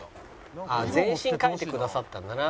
全身描いてくださったんだな。